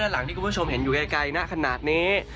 หลังที่คุณผู้ชมเห็นอยู่ไกลณขนาดนี้